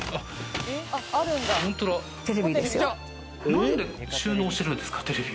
なんで収納してるんですか？